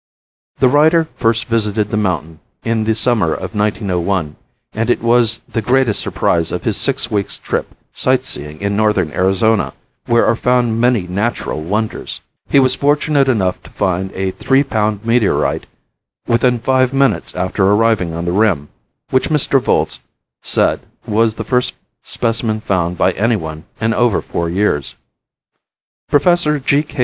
The writer first visited the mountain in the summer of 1901 and it was the greatest surprise of his six weeks' trip sightseeing in northern Arizona where are found many natural wonders. He was fortunate enough to find a three pound meteorite within five minutes after arriving on the rim, which Mr. Volz said was the first specimen found by anyone in over four years. Professor G.